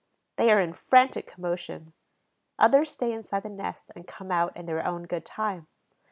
They are in frantic commotion. Others stay inside the nest and come out in their own good time.